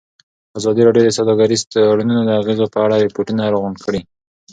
ازادي راډیو د سوداګریز تړونونه د اغېزو په اړه ریپوټونه راغونډ کړي.